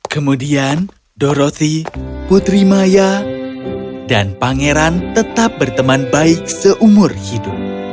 kemudian dorothy putri maya dan pangeran tetap berteman baik seumur hidup